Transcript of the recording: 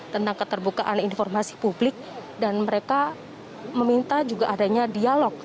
tentang keterbukaan informasi publik dan mereka meminta juga adanya dialog